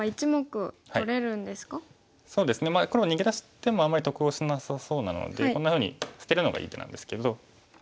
黒逃げ出す手もあんまり得をしなさそうなのでこんなふうに捨てるのがいい手なんですけど。